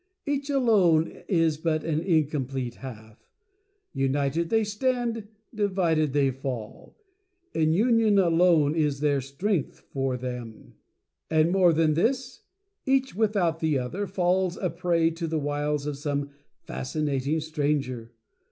Each, alone, is but an Incomplete Half. United they stand — divided they Fall. In Union alone is there Strength for Them. THE DANGER OF SEPARATION. "And more than this, each, without the other, falls a prey to the wiles of some Fascinating Stranger.